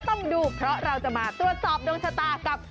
ต้องดูเพราะเราจะมาตรวจสอบดวงชะตากับ